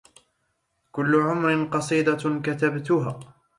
كل عمر قصيدة كتبتها